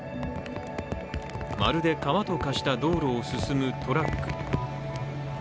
まるで川と化した道路を進むトラック。